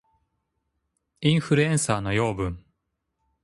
インフルエンサーの養分